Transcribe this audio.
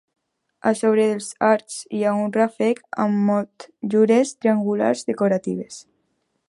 A sobre dels arcs hi ha un ràfec amb motllures triangulars decoratives.